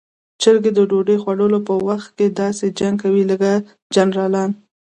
چرګې د ډوډۍ خوړلو په وخت کې داسې جنګ کوي لکه جنرالان.